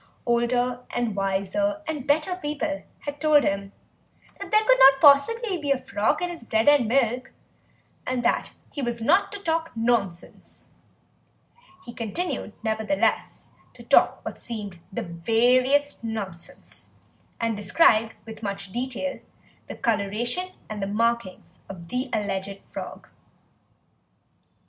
Older and wiser and better people had told him that there could not possibly be a frog in his bread and milk and that he was not to talk nonsense; he continued, nevertheless, to talk what seemed the veriest nonsense, and described with much detail the colouration and markings of the alleged frog.